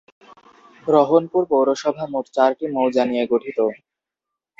রহনপুর পৌরসভা মোট চারটি মৌজা নিয়ে গঠিত।